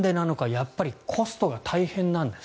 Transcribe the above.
やっぱりコストが大変なんです。